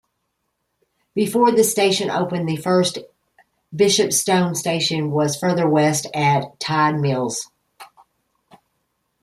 Before this station opened the first Bishopstone station was further west at Tide Mills.